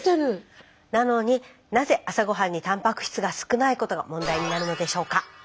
なのになぜ朝ごはんにたんぱく質が少ないことが問題になるのでしょうか。